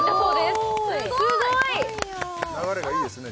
おおすごいすごい流れがいいですね